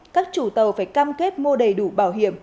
các chủ tàu phải cam kết mua đầy đủ bảo hiểm